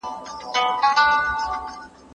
لمر د انرژۍ د تولید تر ټولو پاکه لاره ده.